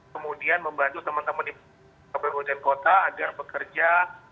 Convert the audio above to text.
kemudian membantu teman teman di kabupaten kota agar bekerja